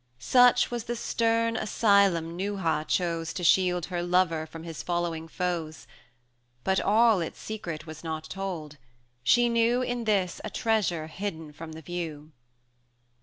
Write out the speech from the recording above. Such was the stern asylum Neuha chose To shield her lover from his following foes; 30 But all its secret was not told; she knew In this a treasure hidden from the view.